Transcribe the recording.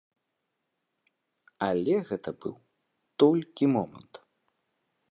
Але гэта быў толькі момант.